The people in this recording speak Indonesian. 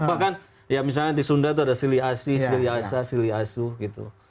bahkan ya misalnya di sunda itu ada sili asy sili asya sili asuh gitu